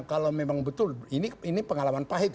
kalau memang betul ini pengalaman pahit